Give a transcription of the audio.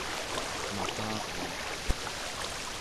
maqaruaq